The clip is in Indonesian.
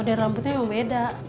model rambutnya memang beda